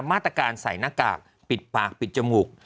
มาตรการใส่หน้ากากปิดปากปิดจมูก